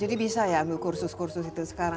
jadi bisa ya ambil kursus kursus itu sekarang